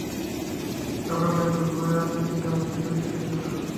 সকাল থেকেই ভয় আর দুশিন্তা হচ্ছিলো দিল্লি যেতে হবে।